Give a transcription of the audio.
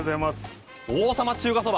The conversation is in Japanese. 王様中華そば